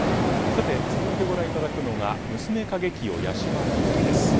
さて続いてご覧いただくのが「嬢景清八嶋日記」です。